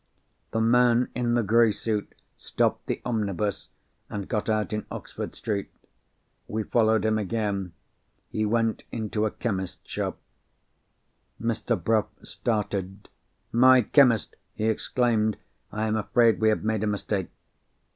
The man in the grey suit stopped the omnibus, and got out in Oxford Street. We followed him again. He went into a chemist's shop. Mr. Bruff started. "My chemist!" he exclaimed. "I am afraid we have made a mistake."